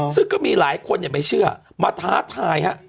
ซึ่งก็มีหลายคนไม่เชื่อมาท้าทายฮะ